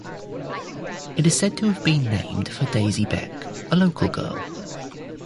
It is said to have been named for Daisy Beck, a local girl.